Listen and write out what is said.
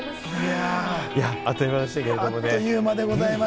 あっという間でしたけれどもね。